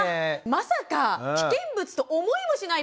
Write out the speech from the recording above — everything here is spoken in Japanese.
まさか危険物と思いもしないですよ。